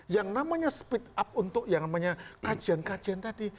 yang namanya speed up untuk yang namanya kajian kajian tadi